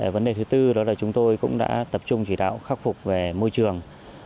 vấn đề thứ tư đó là chúng tôi cũng đã tập trung chỉ đạo khắc phục về môi trường